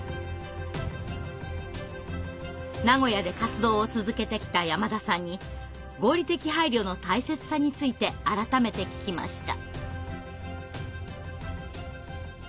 名古屋で活動を続けてきた山田さんに合理的配慮の大切さについて改めて聞きました。